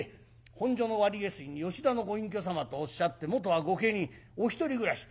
本所の割下水に吉田のご隠居様とおっしゃって元は御家人お一人暮らし。